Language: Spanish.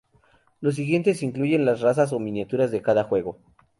Los siguientes incluyen las razas o miniaturas de cada juego.